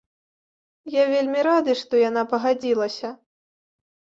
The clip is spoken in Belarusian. Я вельмі рады, што яна пагадзілася!